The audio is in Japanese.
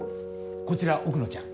こちら奥野ちゃん